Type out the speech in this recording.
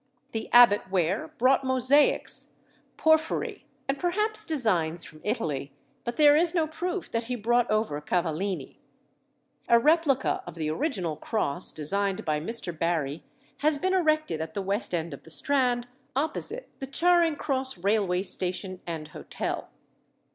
The Abbot Ware brought mosaics, porphyry, and perhaps designs from Italy, but there is no proof that he brought over Cavallini. A replica of the original cross, designed by Mr. Barry, has been erected at the west end of the Strand, opposite the Charing Cross Railway Station and Hotel.